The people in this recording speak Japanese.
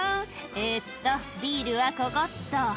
「えっとビールはここっと」